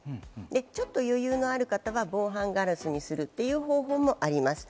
ちょっと余裕のある方は、防犯ガラスにするという方法もあります。